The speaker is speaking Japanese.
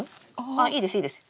あいいですいいです。